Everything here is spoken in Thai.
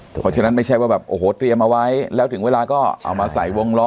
เพราะฉะนั้นไม่ใช่ว่าแบบโอ้โหเตรียมเอาไว้แล้วถึงเวลาก็เอามาใส่วงล้อ